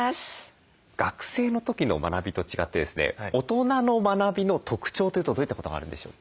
学生の時の学びと違ってですね大人の学びの特徴というとどういったことがあるんでしょう？